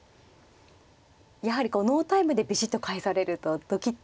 やはりこうノータイムでビシッと返されるとドキッと。